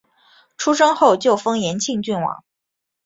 出生后就封延庆郡王。